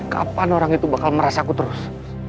kapan orang itu bakal merasa aku terus